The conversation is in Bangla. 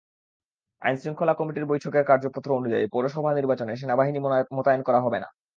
আইনশৃঙ্খলা কমিটির বৈঠকের কার্যপত্র অনুযায়ী পৌরসভা নির্বাচনে সেনাবাহিনী মোতায়েন করা হবে না।